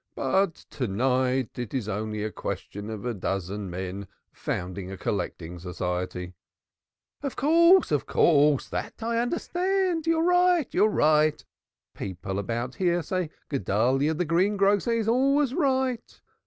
"But to night it is only a question of a dozen men founding a collecting society." "Of course, of course, that I understand. You're right people about here say Guedalyah the greengrocer is always right.